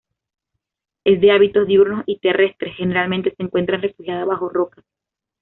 Es de hábitos diurnos y terrestres, generalmente se encuentra refugiada bajo rocas.